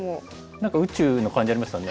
何か宇宙の感じありますよね。